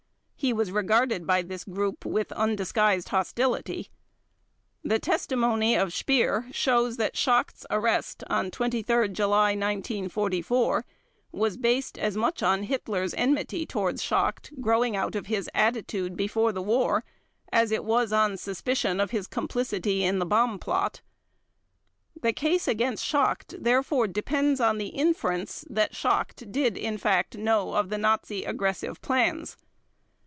He was regarded by this group with undisguised hostility. The testimony of Speer shows that Schacht's arrest on 23 July 1944 was based as much on Hitler's enmity towards Schacht growing out of his attitude before the war as it was on suspicion of his complicity in the bomb plot. The case against Schacht therefore depends on the inference that Schacht did in fact know of the Nazi aggressive plans.